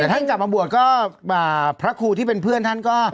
แต่ท่านกลับมาบวชก็พระครูที่เป็นเพื่อนท่านก็